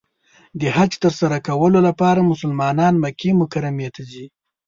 د حج تر سره کولو لپاره مسلمانان مکې مکرمې ته ځي .